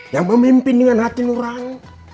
yang memimpin dengan hati nurani